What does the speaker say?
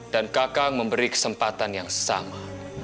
dan kakang memberi kesempatan yang sama